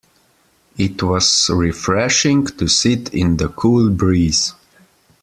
It was refreshing to sit in the cool breeze.